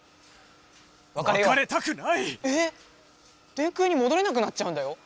電空にもどれなくなっちゃうんだよ。